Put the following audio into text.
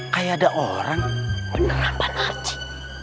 kayak ada orang beneran pak narci